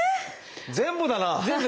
全部だな。